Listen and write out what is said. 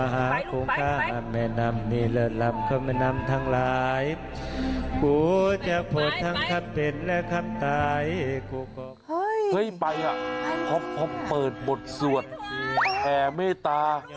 เฮ้ยไปอ่ะพบเปิดหมดสวดแอร์เมตตา